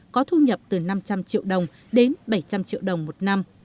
có thu nhập từ năm trăm linh triệu đồng đến bảy trăm linh triệu đồng một năm